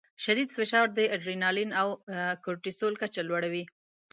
شدید فشار د اډرینالین او کورټیسول کچه لوړوي.